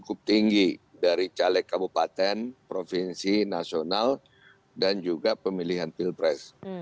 cukup tinggi dari caleg kabupaten provinsi nasional dan juga pemilihan pilpres